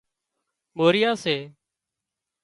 موريا سي